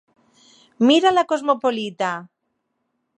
Mira la cosmopolita!